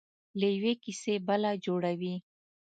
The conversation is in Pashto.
له یوې کیسې بله جوړوي.